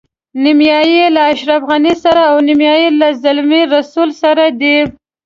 نیمایي یې له اشرف غني سره او نیمایي له زلمي رسول سره دي.